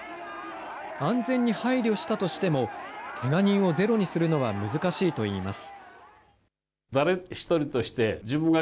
安全に配慮したとしても、けが人をゼロにするのは難しいといいます。